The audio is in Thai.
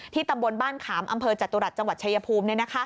ตำบลบ้านขามอำเภอจตุรัสจังหวัดชายภูมิ